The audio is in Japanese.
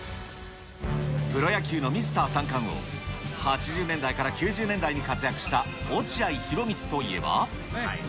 プロ野球のミスター三冠王、８０年代から９０年代に活躍した落合博満といえば。